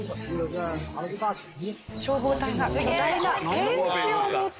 消防隊が巨大なペンチを持ってきて。